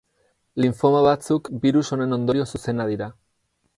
Linfoma batzuk birus honen ondorio zuzena dira.